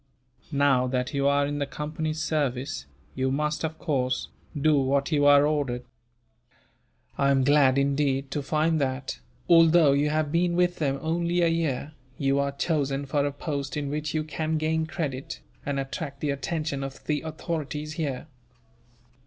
Now that you are in the Company's service, you must, of course, do what you are ordered. I am glad, indeed, to find that, although you have been with them only a year, you are chosen for a post in which you can gain credit, and attract the attention of the authorities here."